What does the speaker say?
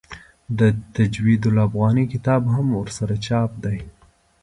د تجوید الافغاني کتاب هم ورسره چاپ دی.